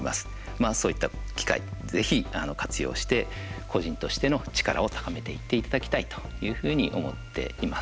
まあ、そういった機会ぜひ活用として個人としての力を高めていっていただきたいというふうに思っています。